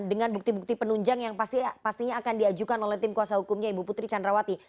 dengan bukti bukti penunjang yang pastinya akan diajukan oleh tim kuasa hukumnya ibu putri candrawati